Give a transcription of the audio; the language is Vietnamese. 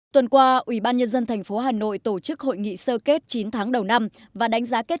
tuần qua ủy ban nhân dân tp hà nội tổ chức hội nghị sơ kết chín tháng đầu năm và đánh giá kết